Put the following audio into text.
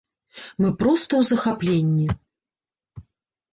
Мы проста ў захапленні!